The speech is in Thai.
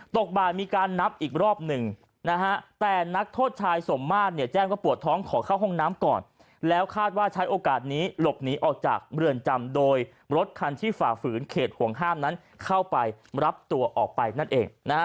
ตกบ่ายมีการนับอีกรอบหนึ่งนะฮะแต่นักโทษชายสมมาตรเนี่ยแจ้งว่าปวดท้องขอเข้าห้องน้ำก่อนแล้วคาดว่าใช้โอกาสนี้หลบหนีออกจากเรือนจำโดยรถคันที่ฝ่าฝืนเขตห่วงห้ามนั้นเข้าไปรับตัวออกไปนั่นเองนะฮะ